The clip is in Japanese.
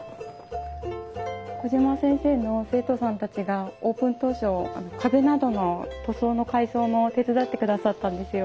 小島先生の生徒さんたちがオープン当初壁などの塗装の改装も手伝ってくださったんですよ。